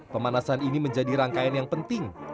pemanasan ini menjadi rangkaian yang penting